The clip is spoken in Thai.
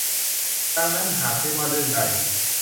ดังนั้นหากไม่ว่าเรื่องใด